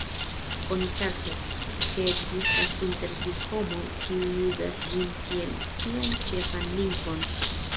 Oni taksas, ke ekzistas inter ĝis homoj, kiuj uzas ĝin kiel sian ĉefan lingvon.